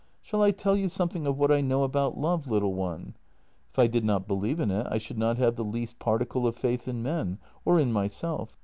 " Shall I tell you something of what I know about love, little one? If I did not believe in it, I should not have the least particle of faith in men — or in myself.